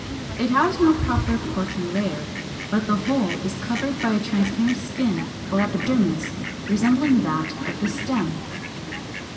It has no proper corky layer; but the whole is covered by a transparent skin or epidermis, resembling that of the stem.